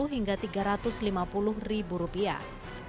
dua ratus lima puluh hingga tiga ratus lima puluh ribu rupiah